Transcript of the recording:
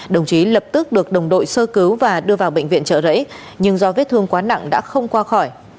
đồng chí lập tức được đồng đội sơ cứu và đưa vào bệnh viện trợ rẫy nhưng do vết thương quá nặng đã không qua khỏi